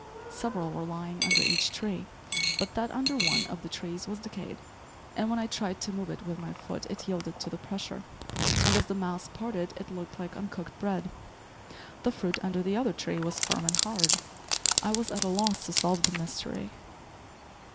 Several were lying under each tree; but that under one of the trees was decayed, and when I tried to move it with my foot it yielded to the pressure, and as the mass parted it looked like uncooked bread. The fruit under the other tree was firm and hard. I was at a loss to solve the mystery.